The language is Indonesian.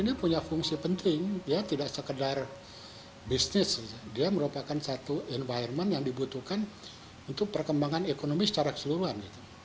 ini punya fungsi penting ya tidak sekedar bisnis dia merupakan satu environment yang dibutuhkan untuk perkembangan ekonomi secara keseluruhan